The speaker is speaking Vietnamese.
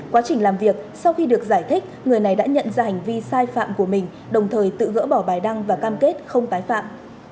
quá trình làm việc sau khi được giải thích người này đã nhận ra hành vi sai phạm của mình đồng thời tự gỡ bỏ bài đăng và cam kết không tái phạm